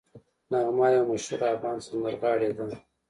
نغمه یوه مشهوره افغان سندرغاړې ده